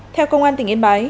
theo công an tỉnh yên bái